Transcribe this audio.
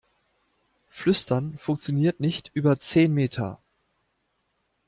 Flüstern funktioniert nicht über zehn Meter.